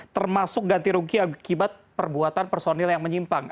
termasuk ganti rugi akibat perbuatan personil yang menyimpang